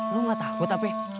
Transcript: lu gak takut apa